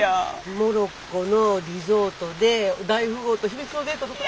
モロッコのリゾートで大富豪と秘密のデートとか！